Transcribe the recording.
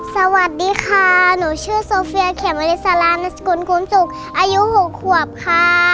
สวัสดีค่ะหนูชื่อโซเฟียเขียนวัลีสารานักศึกษ์อายุ๖ควบค่ะ